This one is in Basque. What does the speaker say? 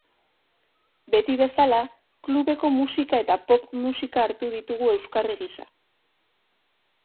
Beti bezala, klubeko musika eta pop musika hartu ditugu euskarri gisa.